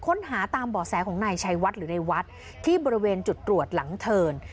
ค้นหาตามบ่อแสของนายชัยวัดหรือในวัดที่บริเวณจุดตรวจหลังเทิน